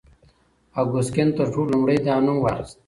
اګوست کنت تر ټولو لومړی دا نوم واخيست.